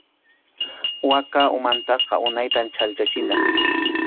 Waka umantaqa unaytam chhallchachina.